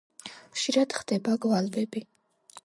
ხშირად ხდება გვალვები.